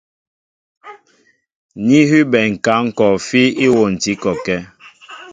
Ní hʉbɛ ŋ̀kǎŋ kɔɔfí íwôntǐ kɔkɛ́.